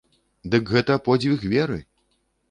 Дык гэта подзвіг веры!